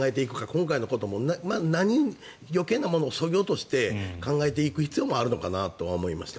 今回のことも余計なことをそぎ落として考えていく必要があると思いました。